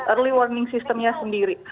early warning sistemnya sendiri